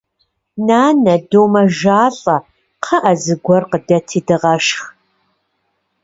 Нанэ, домэжалӏэ, кхъыӏэ, зыгуэр къыдэти дыгъэшх!